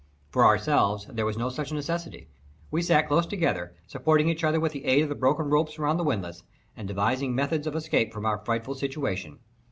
For ourselves there was no such necessity. We sat close together, supporting each other with the aid of the broken ropes about the windlass, and devising methods of escape from our frightful situation.